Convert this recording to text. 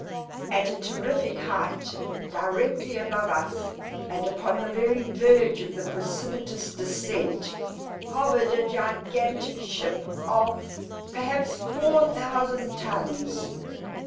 At a terrific height directly above us, and upon the very verge of the precipitous descent, hovered a gigantic ship of, perhaps, four thousand tons.